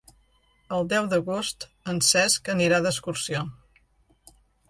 El deu d'agost en Cesc anirà d'excursió.